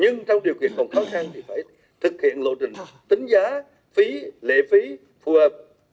nhưng trong điều kiện còn khó khăn thì phải thực hiện lộ trình tính giá phí lệ phí phù hợp